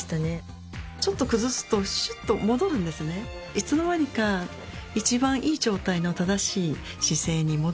いつの間にか一番いい状態の正しい姿勢に戻る気がしました。